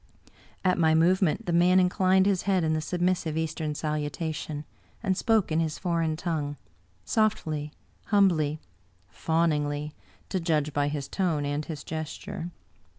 At my movement the man inclined his head in the submissive Eastern salutation, and spoke in his foreign tongue, softly, humbly, fawningly, to judge by his tone and his gesture.